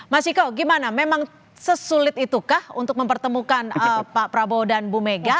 mas ciko gimana memang sesulit itukah untuk mempertemukan pak prabowo dan bu mega